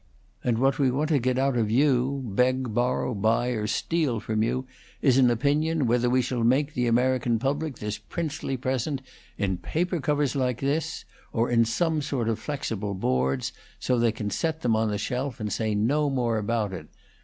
And what we want to get out of you beg, borrow, buy, or steal from you is an opinion whether we shall make the American public this princely present in paper covers like this, or in some sort of flexible boards, so they can set them on the shelf and say no more about it.